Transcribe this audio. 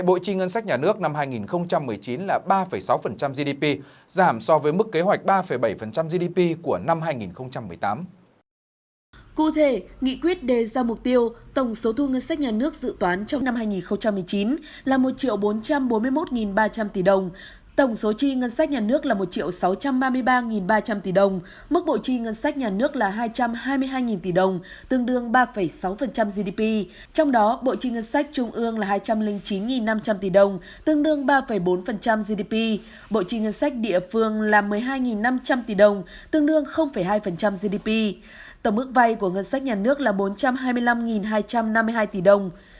bộ trị ngân sách địa phương là một mươi hai năm trăm linh tỷ đồng tương đương hai gdp tổng mức vay của ngân sách nhà nước là bốn trăm hai mươi năm hai trăm năm mươi hai tỷ đồng